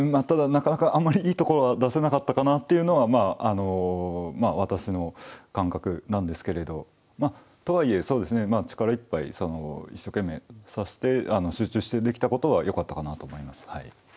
ただなかなかあんまりいいところは出せなかったかなっていうのはまああの私の感覚なんですけれどまあとはいえそうですね力いっぱい一生懸命指して集中してできたことはよかったかなと思います。